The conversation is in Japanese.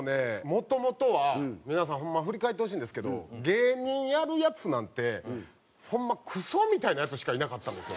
もともとは皆さんホンマ振り返ってほしいんですけど芸人やるヤツなんてホンマクソみたいなヤツしかいなかったんですよ